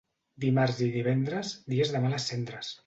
Dimarts i divendres, dies de males cendres.